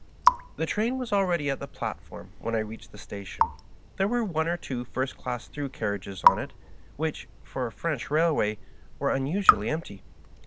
The train was already at the platform when I reached the station. There were one or two first class through carriages on it, which, for a French railway, were un usually empty.